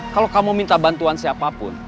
kalau kamu minta bantuan siapapun